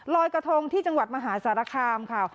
ลอยกระทงที่จังหวัดมหาสารคามค่ะ